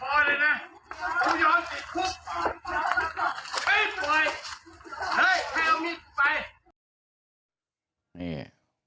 เฮ้ยปล่อยใครเอามีดกูไป